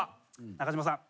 中島さん。